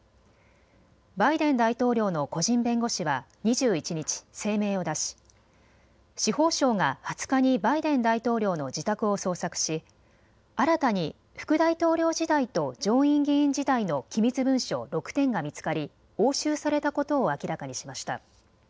バイデン大統領の個人弁護士は２１日、声明を出し司法省が２０日にバイデン大統領の自宅を捜索し新たに副大統領時代と上院議員時代の機密文書６点が見つかり押収されたことを明らかにしました。